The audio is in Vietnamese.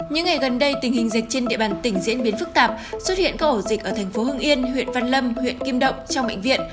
những ngày gần đây tình hình dịch trên địa bàn tỉnh diễn biến phức tạp xuất hiện các ổ dịch ở thành phố hưng yên huyện văn lâm huyện kim động trong bệnh viện